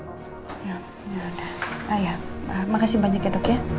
ya yaudah ayah makasih banyak ya dok ya